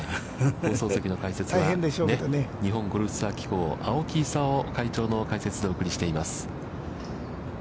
放送席の解説は、日本ゴルフツアー機構、青木功会長のお話でお送りしています。